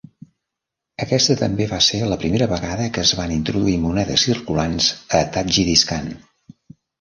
Aquesta també va ser la primera vegada que es van introduir monedes circulants a Tadjikistan.